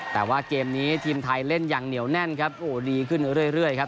แต่ว่าเกมนี้ทีมไทยเล่นอย่างเหนียวแน่นครับโอ้ดีขึ้นเรื่อยครับ